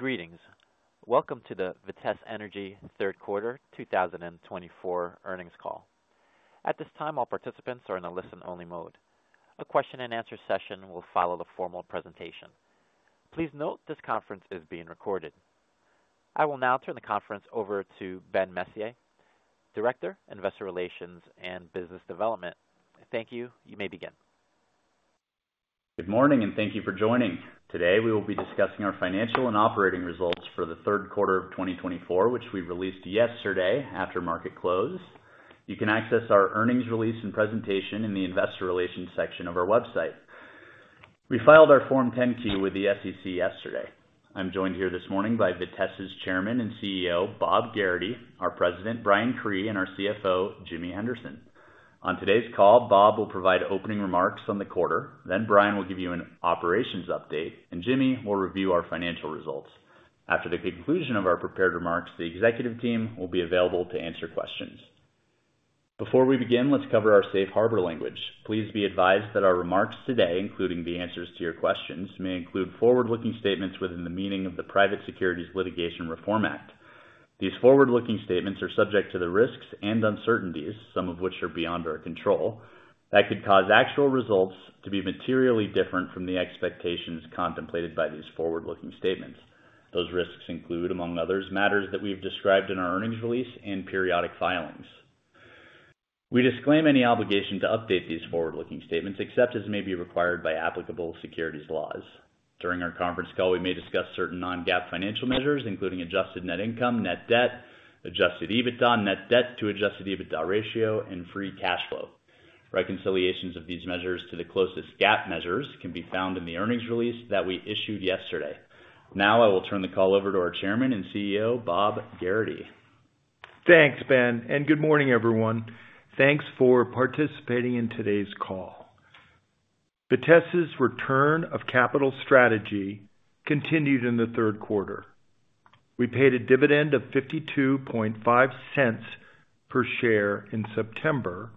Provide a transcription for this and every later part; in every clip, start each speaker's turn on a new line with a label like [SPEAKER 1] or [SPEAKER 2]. [SPEAKER 1] Greetings. Welcome to the Vitesse Energy Third Quarter 2024 Earnings Call. At this time, all participants are in a listen-only mode. A question-and-answer session will follow the formal presentation. Please note this conference is being recorded. I will now turn the conference over to Ben Messier, Director, Investor Relations and Business Development. Thank you. You may begin.
[SPEAKER 2] Good morning, and thank you for joining. Today, we will be discussing our financial and operating results for the third quarter of 2024, which we released yesterday after market close. You can access our earnings release and presentation in the Investor Relations section of our website. We filed our Form 10-Q with the SEC yesterday. I'm joined here this morning by Vitesse's Chairman and CEO, Bob Gerrity, our President, Brian Cree, and our CFO, Jimmy Henderson. On today's call, Bob will provide opening remarks on the quarter, then Brian will give you an operations update, and Jimmy will review our financial results. After the conclusion of our prepared remarks, the executive team will be available to answer questions. Before we begin, let's cover our safe harbor language. Please be advised that our remarks today, including the answers to your questions, may include forward-looking statements within the meaning of the Private Securities Litigation Reform Act. These forward-looking statements are subject to the risks and uncertainties, some of which are beyond our control, that could cause actual results to be materially different from the expectations contemplated by these forward-looking statements. Those risks include, among others, matters that we've described in our earnings release and periodic filings. We disclaim any obligation to update these forward-looking statements except as may be required by applicable securities laws. During our conference call, we may discuss certain non-GAAP financial measures, including adjusted net income, net debt, adjusted EBITDA, net debt to adjusted EBITDA ratio, and free cash flow. Reconciliations of these measures to the closest GAAP measures can be found in the earnings release that we issued yesterday. Now, I will turn the call over to our Chairman and CEO, Bob Gerrity.
[SPEAKER 3] Thanks, Ben, and good morning, everyone. Thanks for participating in today's call. Vitesse's return of capital strategy continued in the third quarter. We paid a dividend of $0.525 per share in September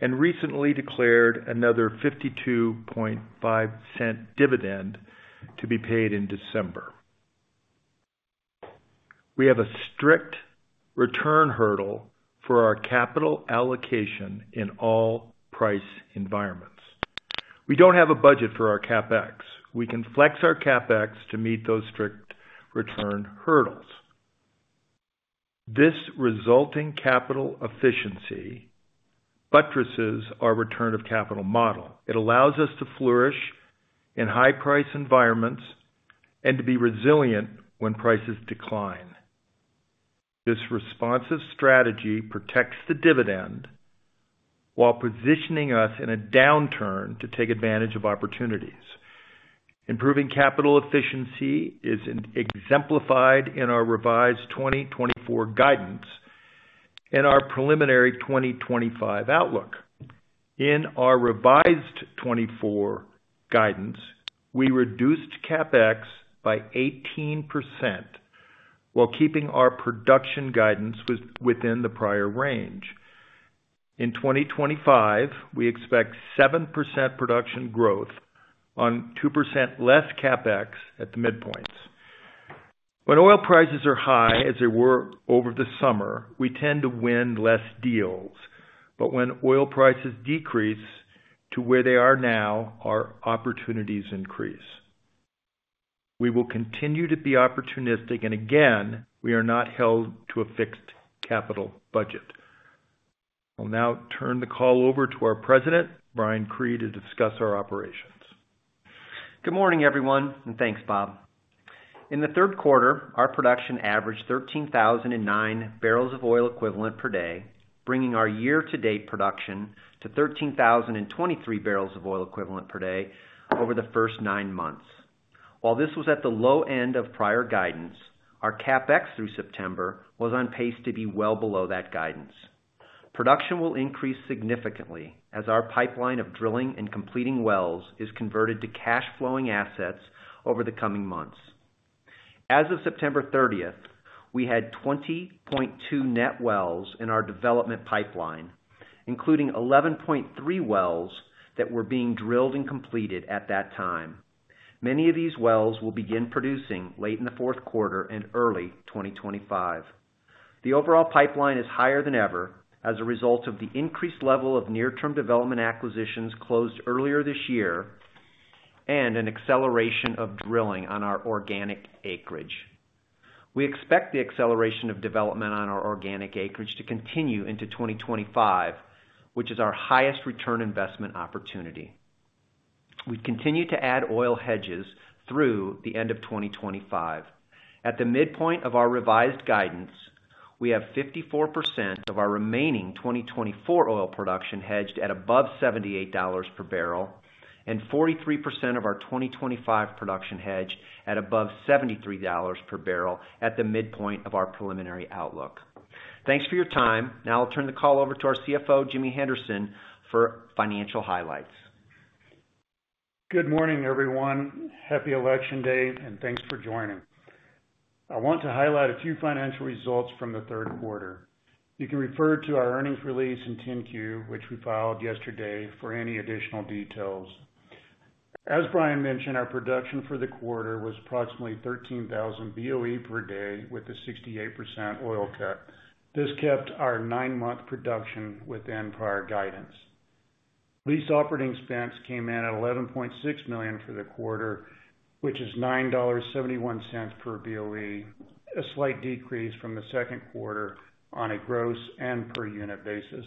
[SPEAKER 3] and recently declared another $0.525 dividend to be paid in December. We have a strict return hurdle for our capital allocation in all price environments. We don't have a budget for our CapEx. We can flex our CapEx to meet those strict return hurdles. This resulting capital efficiency buttresses our return of capital model. It allows us to flourish in high-price environments and to be resilient when prices decline. This responsive strategy protects the dividend while positioning us in a downturn to take advantage of opportunities. Improving capital efficiency is exemplified in our revised 2024 guidance and our preliminary 2025 outlook. In our revised 2024 guidance, we reduced CapEx by 18% while keeping our production guidance within the prior range. In 2025, we expect 7% production growth on 2% less CapEx at the midpoints. When oil prices are high, as they were over the summer, we tend to win less deals. But when oil prices decrease to where they are now, our opportunities increase. We will continue to be opportunistic, and again, we are not held to a fixed capital budget. I'll now turn the call over to our President, Brian Cree, to discuss our operations.
[SPEAKER 4] Good morning, everyone, and thanks, Bob. In the third quarter, our production averaged 13,009 bbl of oil equivalent per day, bringing our year-to-date production to 13,023 bbl of oil equivalent per day over the first nine months. While this was at the low end of prior guidance, our CapEx through September was on pace to be well below that guidance. Production will increase significantly as our pipeline of drilling and completing wells is converted to cash-flowing assets over the coming months. As of September 30th, we had 20.2 net wells in our development pipeline, including 11.3 wells that were being drilled and completed at that time. Many of these wells will begin producing late in the fourth quarter and early 2025. The overall pipeline is higher than ever as a result of the increased level of near-term development acquisitions closed earlier this year and an acceleration of drilling on our organic acreage. We expect the acceleration of development on our organic acreage to continue into 2025, which is our highest return investment opportunity. We continue to add oil hedges through the end of 2025. At the midpoint of our revised guidance, we have 54% of our remaining 2024 oil production hedged at above $78 per bbl and 43% of our 2025 production hedged at above $73 per bbl at the midpoint of our preliminary outlook. Thanks for your time. Now, I'll turn the call over to our CFO, Jimmy Henderson, for financial highlights.
[SPEAKER 5] Good morning, everyone. Happy Election Day, and thanks for joining. I want to highlight a few financial results from the third quarter. You can refer to our earnings release and 10-Q, which we filed yesterday, for any additional details. As Brian mentioned, our production for the quarter was approximately 13,000 BOE per day with a 68% oil cut. This kept our nine-month production within prior guidance. Lease operating expense came in at $11.6 million for the quarter, which is $9.71 per BOE, a slight decrease from the second quarter on a gross and per unit basis.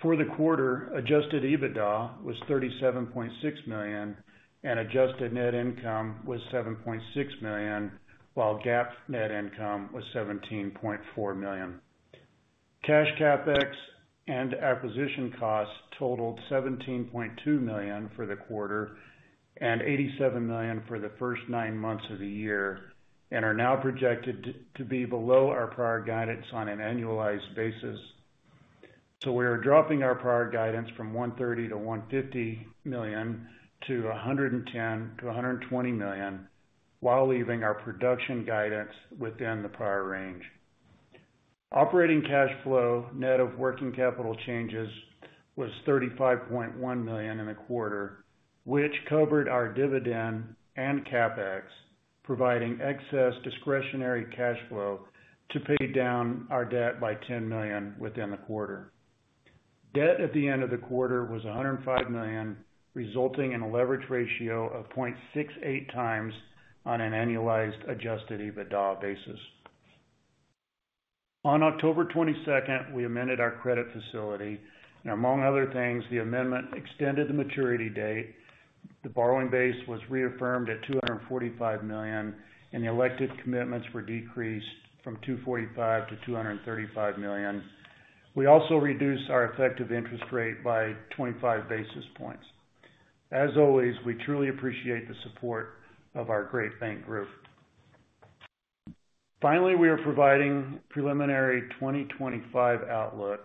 [SPEAKER 5] For the quarter, adjusted EBITDA was $37.6 million and adjusted net income was $7.6 million, while GAAP net income was $17.4 million. Cash CapEx and acquisition costs totaled $17.2 million for the quarter and $87 million for the first nine months of the year and are now projected to be below our prior guidance on an annualized basis. So we are dropping our prior guidance from $130 million-$150 million to $110 million-$120 million while leaving our production guidance within the prior range. Operating cash flow net of working capital changes was $35.1 million in the quarter, which covered our dividend and CapEx, providing excess discretionary cash flow to pay down our debt by $10 million within the quarter. Debt at the end of the quarter was $105 million, resulting in a leverage ratio of 0.68 times on an annualized Adjusted EBITDA basis. On October 22nd, we amended our credit facility. Among other things, the amendment extended the maturity date. The borrowing base was reaffirmed at $245 million, and the elected commitments were decreased from $245 million to $235 million. We also reduced our effective interest rate by 25 basis points. As always, we truly appreciate the support of our great bank group. Finally, we are providing preliminary 2025 outlook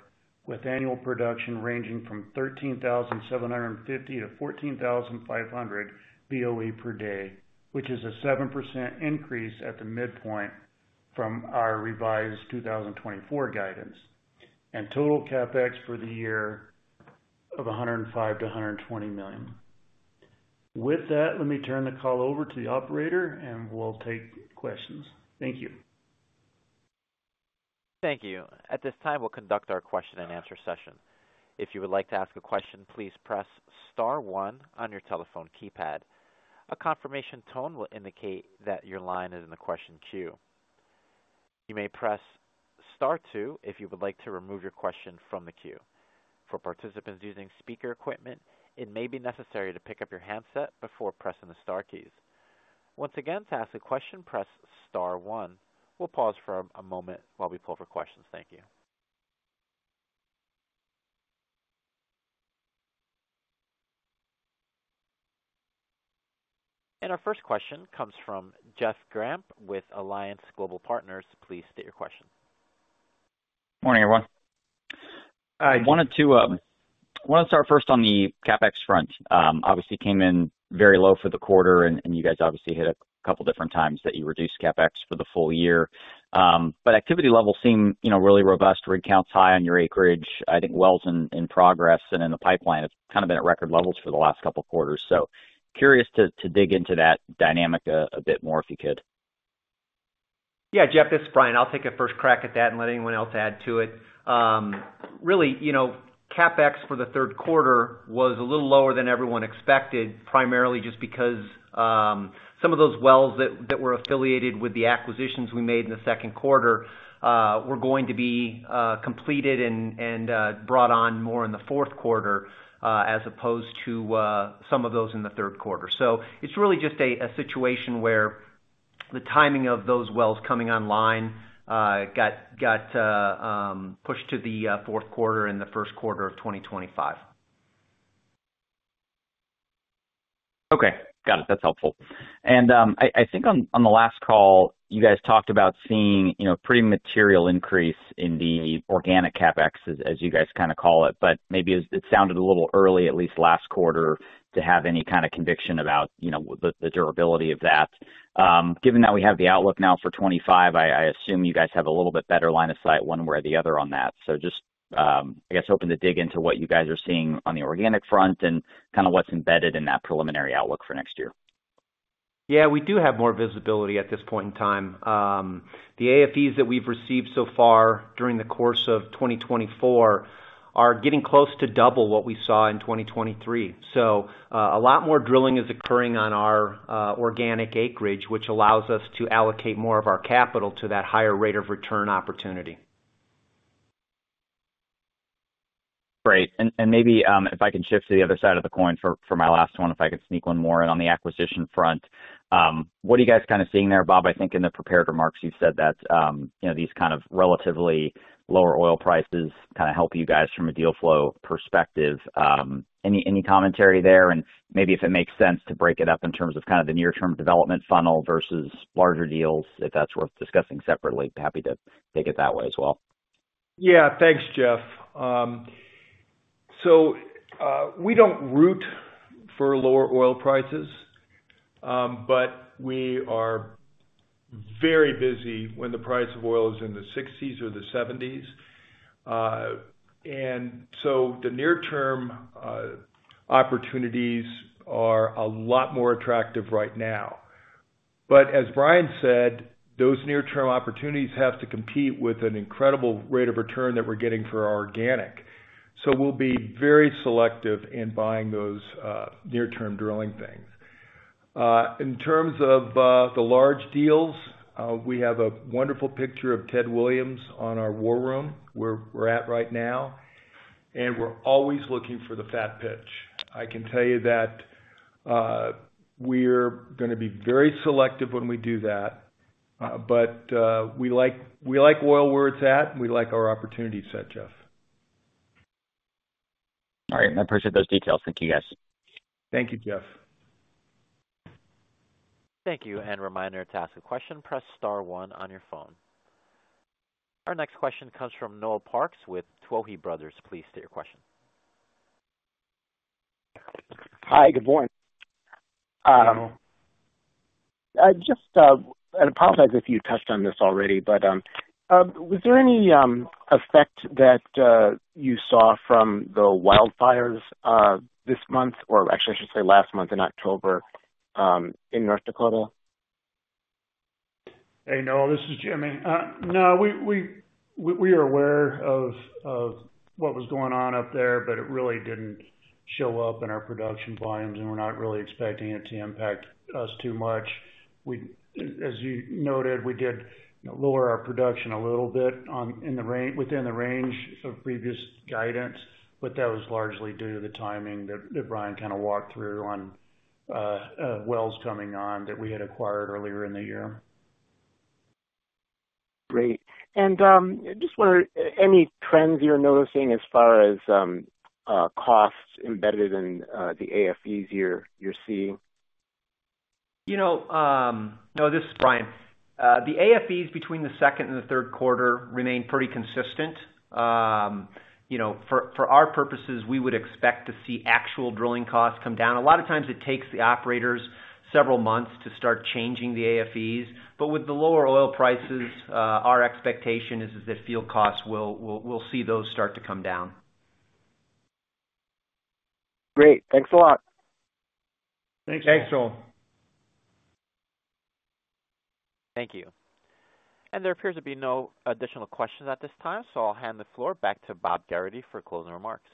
[SPEAKER 5] with annual production ranging from 13,750 to 14,500 BOE per day, which is a 7% increase at the midpoint from our revised 2024 guidance, and total CapEx for the year of $105-$120 million. With that, let me turn the call over to the operator, and we'll take questions. Thank you.
[SPEAKER 1] Thank you. At this time, we'll conduct our question-and-answer session. If you would like to ask a question, please press star one on your telephone keypad. A confirmation tone will indicate that your line is in the question queue. You may press star two if you would like to remove your question from the queue. For participants using speaker equipment, it may be necessary to pick up your handset before pressing the star keys. Once again, to ask a question, press star one. We'll pause for a moment while we pull for questions. Thank you. And our first question comes from Jeff Grampp with Alliance Global Partners. Please state your question.
[SPEAKER 6] Morning, everyone. I wanted to start first on the CapEx front. Obviously, came in very low for the quarter, and you guys obviously mentioned a couple different times that you reduced CapEx for the full year, but activity levels seem really robust, rig counts high on your acreage. I think wells in progress and in the pipeline have kind of been at record levels for the last couple of quarters, so curious to dig into that dynamic a bit more if you could.
[SPEAKER 4] Yeah, Jeff, this is Brian. I'll take a first crack at that and let anyone else add to it. Really, CapEx for the third quarter was a little lower than everyone expected, primarily just because some of those wells that were affiliated with the acquisitions we made in the second quarter were going to be completed and brought on more in the fourth quarter as opposed to some of those in the third quarter. So it's really just a situation where the timing of those wells coming online got pushed to the fourth quarter and the first quarter of 2025.
[SPEAKER 6] Okay. Got it. That's helpful, and I think on the last call, you guys talked about seeing a pretty material increase in the organic CapEx, as you guys kind of call it, but maybe it sounded a little early, at least last quarter, to have any kind of conviction about the durability of that. Given that we have the outlook now for 2025, I assume you guys have a little bit better line of sight one way or the other on that, so just, I guess, hoping to dig into what you guys are seeing on the organic front and kind of what's embedded in that preliminary outlook for next year.
[SPEAKER 4] Yeah, we do have more visibility at this point in time. The AFEs that we've received so far during the course of 2024 are getting close to double what we saw in 2023, so a lot more drilling is occurring on our organic acreage, which allows us to allocate more of our capital to that higher rate of return opportunity.
[SPEAKER 6] Great. And maybe if I can shift to the other side of the coin for my last one, if I could sneak one more in on the acquisition front. What are you guys kind of seeing there, Bob? I think in the prepared remarks, you said that these kind of relatively lower oil prices kind of help you guys from a deal flow perspective. Any commentary there? And maybe if it makes sense to break it up in terms of kind of the near-term development funnel versus larger deals, if that's worth discussing separately, happy to take it that way as well.
[SPEAKER 3] Yeah, thanks, Jeff, so we don't root for lower oil prices, but we are very busy when the price of oil is in the 60s or the 70s, and so the near-term opportunities are a lot more attractive right now, but as Brian said, those near-term opportunities have to compete with an incredible rate of return that we're getting for our organic, so we'll be very selective in buying those near-term drilling things. In terms of the large deals, we have a wonderful picture of Ted Williams on our war room where we're at right now, and we're always looking for the fat pitch. I can tell you that we're going to be very selective when we do that, but we like oil where it's at, and we like our opportunity set, Jeff.
[SPEAKER 6] All right. I appreciate those details. Thank you, guys.
[SPEAKER 5] Thank you, Jeff.
[SPEAKER 1] Thank you. And reminder to ask a question, press star one on your phone. Our next question comes from Noel Parks with Tuohy Brothers. Please state your question.
[SPEAKER 7] Hi, good morning. I apologize if you touched on this already, but was there any effect that you saw from the wildfires this month, or actually, I should say last month in October in North Dakota?
[SPEAKER 5] Hey, Noel, this is Jimmy. No, we are aware of what was going on up there, but it really didn't show up in our production volumes, and we're not really expecting it to impact us too much. As you noted, we did lower our production a little bit within the range of previous guidance, but that was largely due to the timing that Brian kind of walked through on wells coming on that we had acquired earlier in the year.
[SPEAKER 7] Great. And just wondered, any trends you're noticing as far as costs embedded in the AFEs you're seeing?
[SPEAKER 4] No, this is Brian. The AFEs between the second and the third quarter remained pretty consistent. For our purposes, we would expect to see actual drilling costs come down. A lot of times, it takes the operators several months to start changing the AFEs. But with the lower oil prices, our expectation is that field costs, we'll see those start to come down.
[SPEAKER 7] Great. Thanks a lot.
[SPEAKER 5] Thanks, Noel.
[SPEAKER 4] Thank you.
[SPEAKER 1] Thank you. And there appears to be no additional questions at this time. So I'll hand the floor back to Bob Gerrity for closing remarks.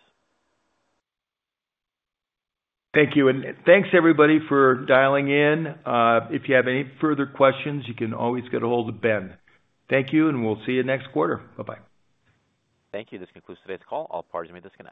[SPEAKER 3] Thank you. And thanks, everybody, for dialing in. If you have any further questions, you can always get a hold of Ben. Thank you, and we'll see you next quarter. Bye-bye.
[SPEAKER 1] Thank you. This concludes today's call. All parties may disconnect.